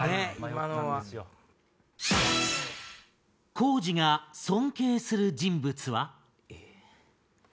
光司が尊敬する人物は？え？